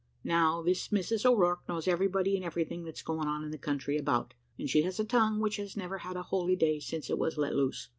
Now this Mrs O'Rourke knows everybody and everything that's going on in the country about; and she has a tongue which has never had a holyday since it was let loose.